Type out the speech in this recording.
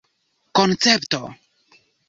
koncepto